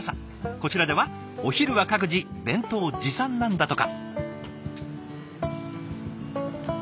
こちらではお昼は各自弁当持参なんだとか。